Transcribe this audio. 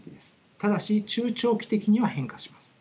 ただし中長期的には変化します。